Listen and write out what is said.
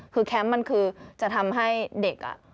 คือแคมป์มันคือจะทำให้เด็ก